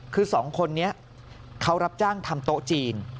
คือสองคนนี้เขารับจ้างทำโต๊ะจีน